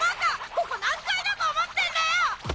ここ何階だと思ってんだよ！